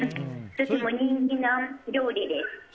とても人気の料理です。